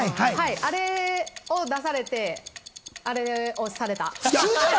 あれを出されて、あれをされた。